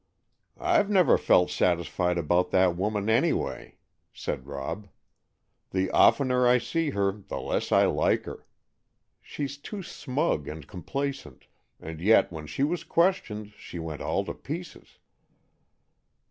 "I've never felt satisfied about that woman, any way," said Rob. "The oftener I see her the less I like her. She's too smug and complacent. And yet when she was questioned, she went all to pieces."